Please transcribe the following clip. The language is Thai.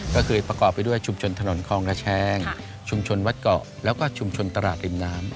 ก็คือประกอบไปด้วยชุมชนถนนคลองระแชงชุมชนวัดเกาะแล้วก็ชุมชนตลาดริมน้ำ